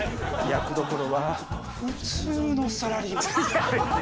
役どころは普通のサラリーマン！